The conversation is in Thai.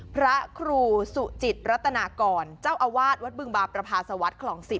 พระครูสุจิตย์รัฐนากรเจ้าอาวาสวัดบึงบ่าประภาสวรรค์๒๐